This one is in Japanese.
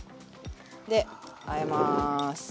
であえます。